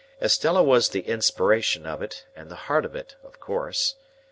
Estella was the inspiration of it, and the heart of it, of course.